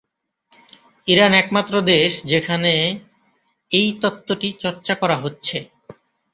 Iran একমাত্র দেশ যেখানে এই তত্ত্বটি চর্চা করা হচ্ছে।